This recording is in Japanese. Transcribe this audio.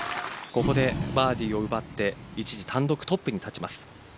ここでバーディーを奪って一時、単独トップに立ちます。